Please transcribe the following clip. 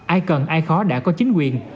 ai cần ai khó đã có chính quyền